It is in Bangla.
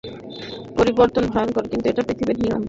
পরিবর্তন ভয়ংকর, কিন্তু এটা পৃথিবীর নিয়ম।